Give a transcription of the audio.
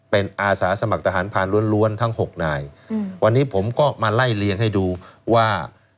เป็นอาสาสมัครทหารผ่านล้วนทั้ง๖นายวันนี้ผมก็มาไล่เลี้ยงให้ดูว่า